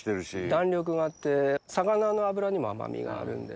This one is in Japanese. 弾力があって魚の脂にも甘みがあるんで。